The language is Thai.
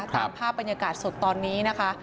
ตามภาพบรรยากาศสดตอนนี้นะคะ